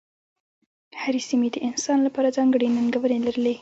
هرې سیمې د انسان لپاره ځانګړې ننګونې لرلې.